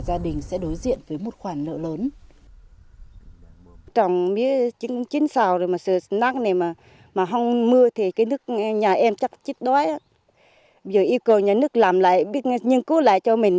gia đình sẽ đối diện với một khoản nợ lớn